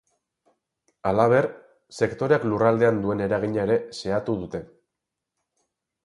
Halaber, sektoreak lurraldean duen eragina ere xehatu dute.